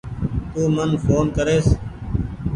تو من ڦون ڪريس